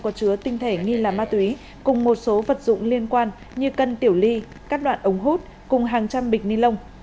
có chứa tinh thể nghi là ma túy cùng một số vật dụng liên quan như cân tiểu ly các đoạn ống hút cùng hàng trăm bịch ni lông